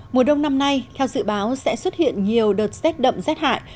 mùa đông năm nay theo dự báo sẽ xuất hiện nhiều đợt rét đậm rét hại